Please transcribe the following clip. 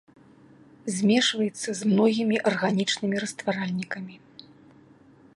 Змешваецца з многімі арганічнымі растваральнікамі.